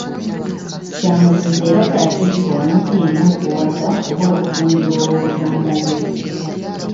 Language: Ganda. "Kya muzizo era kya kivve, omuntu yenna okuwasa oba okufumbirwa ow’oluganda lwe."